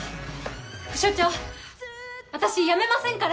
副署長私辞めませんから！